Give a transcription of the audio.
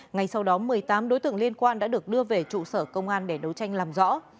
ngay sau đó một mươi tám đối tượng liên quan đã được đưa về trụ sở công an để đấu tranh làm rõ